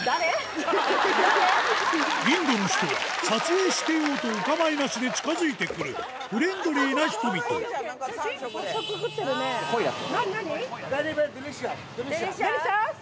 インドの人は撮影してようとお構いなしで近づいてくるフレンドリーな人々デリシャス？